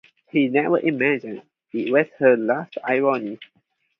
He never imagined it was her last irony.